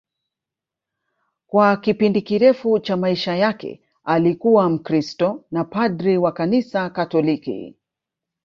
Kwa kipindi kirefu cha maisha yake alikuwa Mkristo na padri wa Kanisa Katoliki